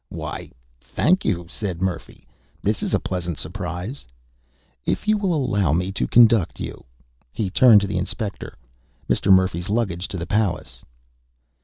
"Why, thank you," said Murphy. "This is a very pleasant surprise." "If you will allow me to conduct you...." He turned to the inspector. "Mr. Murphy's luggage to the palace."